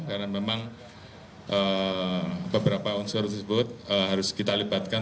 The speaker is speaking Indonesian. karena memang beberapa unsur tersebut harus kita libatkan